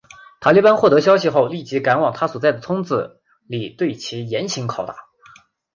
塔利班获得消息后立刻赶往他所在的村子里对其严刑拷打。